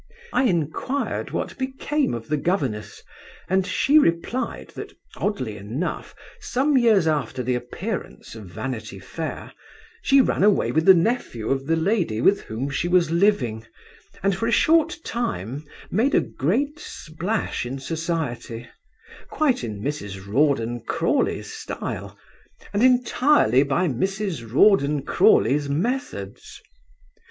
I inquired what became of the governess, and she replied that, oddly enough, some years after the appearance of Vanity Fair, she ran away with the nephew of the lady with whom she was living, and for a short time made a great splash in society, quite in Mrs. Rawdon Crawley's style, and entirely by Mrs. Rawdon Crawley's methods.